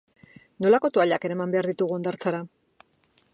Nolako toallak eraman behar ditugu hondartzara?